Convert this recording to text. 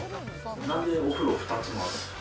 なんでお風呂２つもあるんですか？